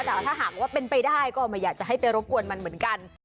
แต่ถ้าหากว่าเป็นไปได้ก็ไม่อยากจะให้ไปรบกวนมันเหมือนกัน